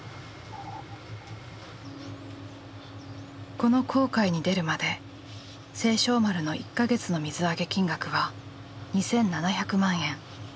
この航海に出るまで盛勝丸の１か月の水揚げ金額は２，７００万円。